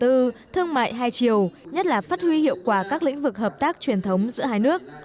trong thời gian tới hai nước sẽ cùng tăng cường thương mại hai chiều nhất là phát huy hiệu quả các lĩnh vực hợp tác truyền thống giữa hai nước